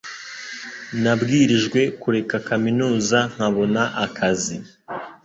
Nabwirijwe kureka kaminuza nkabona akazi